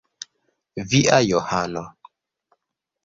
Via Johano.